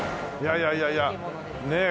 いやいやいやねえ。